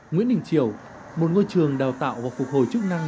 nguyễn đình triều một ngôi trường đào tạo và phục hồi chức năng